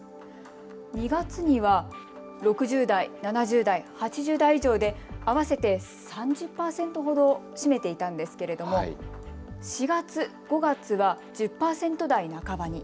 ２月には６０代、７０代、８０代以上で合わせて３０％ほどを占めていたんですけれども４月、５月は１０％台半ばに。